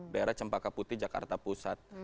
daerah cempaka putih jakarta pusat